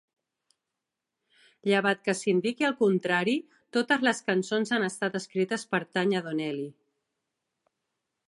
Llevat que s'indiqui el contrari, totes les cançons han estat escrites per Tanya Donelly.